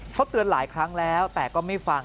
เขาเตือนหลายครั้งแล้วแต่ก็ไม่ฟัง